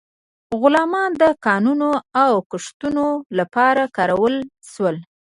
غلامان د کانونو او کښتونو لپاره کارول شول.